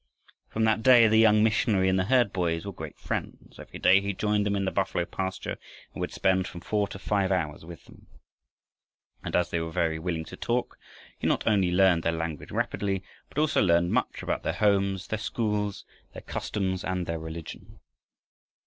From that day the young missionary and the herd boys were great friends. Every day he joined them in the buffalo pasture, and would spend from four to five hours with them. And as they were very willing to talk, he not only learned their language rapidly, but also learned much about their homes, their schools, their customs, and their religion.